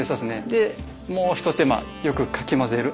でもう一手間よくかき混ぜる。